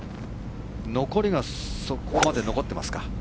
残りがそこまで残っていますか。